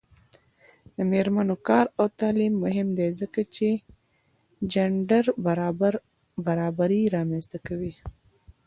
د میرمنو کار او تعلیم مهم دی ځکه چې جنډر برابري رامنځته کوي.